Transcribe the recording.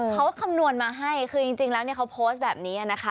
เขาคำนวณมาให้คือจริงแล้วเนี่ยเขาโพสต์แบบนี้นะคะ